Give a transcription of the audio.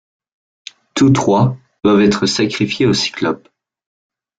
Tous trois doivent être sacrifiés au Cyclope.